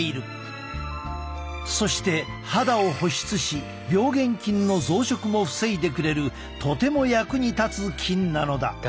そして肌を保湿し病原菌の増殖も防いでくれるとても役に立つ菌なのだ。